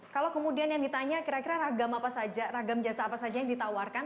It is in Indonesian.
kalau kemudian yang ditanya kira kira ragam apa saja ragam jasa apa saja yang ditawarkan